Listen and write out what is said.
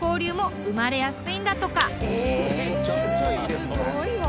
すごいわ。